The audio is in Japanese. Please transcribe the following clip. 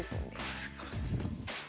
確かに。